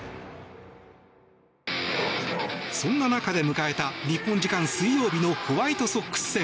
そんな中で迎えた、日本時間水曜日のホワイトソックス戦。